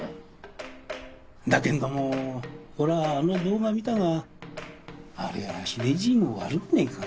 だけんどもおらあの動画見たがありゃ秀じいも悪くねえか？